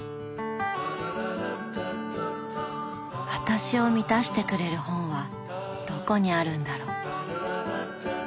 私を満たしてくれる本はどこにあるんだろう。